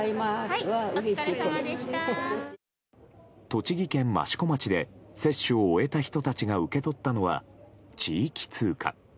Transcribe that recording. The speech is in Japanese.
栃木県益子町で接種を終えた人たちが受け取ったのは、地域通貨。